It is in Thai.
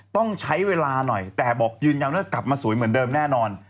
ต้องใช้เวลาหน่อยแต่บอกยืนยันว่ากลับมาสวยเหมือนเดิมแน่นอน